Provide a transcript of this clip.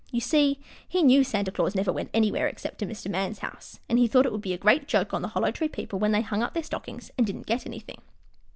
You see, he knew Santa Claus never went anywhere except to Mr. Man's house, and he thought it would be a great joke on the Hollow Tree people when they hung up their stockings and didn't get anything.